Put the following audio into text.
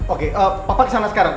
oke papa kesana sekarang